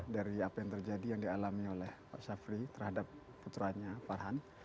dari apa yang terjadi yang dialami oleh pak syafri terhadap putranya farhan